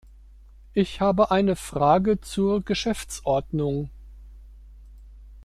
Ich habe eine Frage zur Geschäftsordnung.